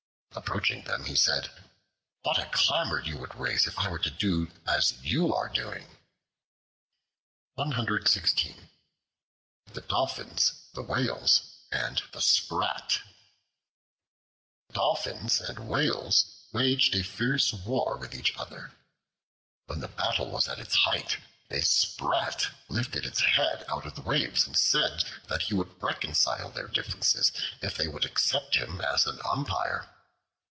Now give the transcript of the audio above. Approaching them, he said, "What a clamor you would raise if I were to do as you are doing!" The Dolphins, the Whales, and the Sprat THE DOLPHINS and Whales waged a fierce war with each other. When the battle was at its height, a Sprat lifted its head out of the waves and said that he would reconcile their differences if they would accept him as an umpire.